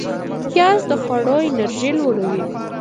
پیاز د خواړو انرژی لوړوي